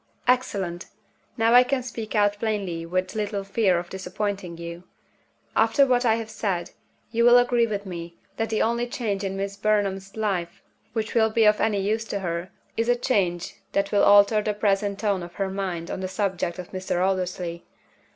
"Excellent! Now I can speak out plainly with little fear of disappointing you. After what I have said, you will agree with me, that the only change in Miss Burnham's life which will be of any use to her is a change that will alter the present tone of her mind on the subject of Mr. Aldersley.